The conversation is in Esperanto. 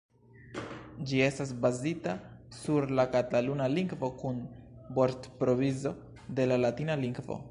Ĝi estas bazita sur la kataluna lingvo kun vortprovizo de la latina lingvo.